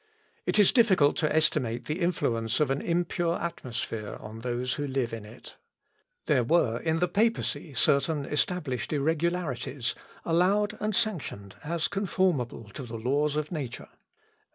It is difficult to estimate the influence of an impure atmosphere on those who live in it. There were in the papacy certain established irregularities, allowed and sanctioned as conformable to the laws of nature.